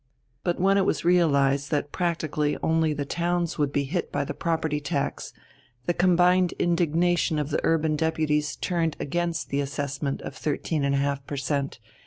But when it was realized that practically only the towns would be hit by the property tax, the combined indignation of the urban deputies turned against the assessment of 13½ per cent.